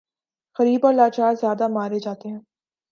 غریب اور لاچار زیادہ مارے جاتے ہیں۔